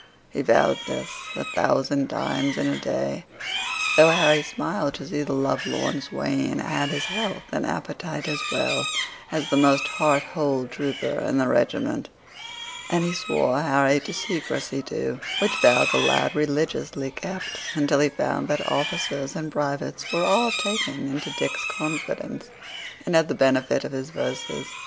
He vowed this a thousand times in a day, though Harry smiled to see the love lorn swain had his health and appetite as well as the most heart whole trooper in the regiment: and he swore Harry to secrecy too, which vow the lad religiously kept, until he found that officers and privates were all taken into Dick's confidence, and had the benefit of his verses.